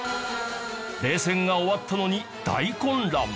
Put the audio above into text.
冷戦が終わったのに大混乱！